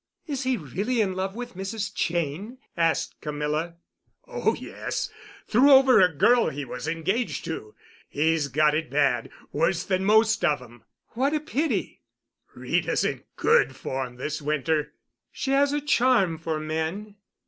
"Is he really in love with Mrs. Cheyne?" asked Camilla. "Oh, yes—threw over a girl he was engaged to. He's got it bad—worse than most of 'em." "What a pity!" "Rita's in good form this winter." "She has a charm for men."